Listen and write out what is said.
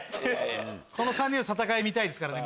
この３人の戦い見たいですからね